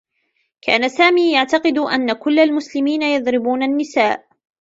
كان سامي يعتقد أنّ كلّ المسلمين يضربون النّساء.